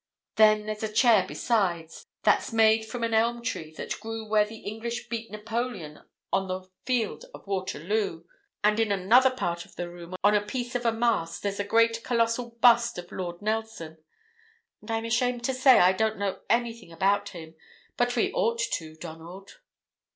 Then there's a chair besides, that's made from an elm tree that grew where the English beat Napoleon on the field of Waterloo; and in another part of the room, on a piece of a mast, there's a great colossal bust of Lord Nelson; and I'm ashamed to say I don't know anything about him, but we ought to, Donald."